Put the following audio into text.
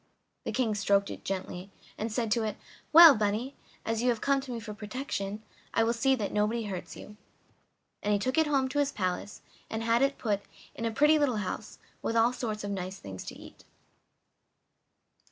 The King stroked it gently, and said to it: "Well, bunny, as you have come to me for protection I will see that nobody hurts you." And he took it home to his palace and had it put in a pretty little house, with all sorts of nice things to eat.